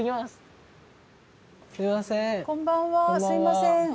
すみません。